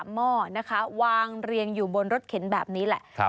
หม้อนะคะวางเรียงอยู่บนรถเข็นแบบนี้แหละ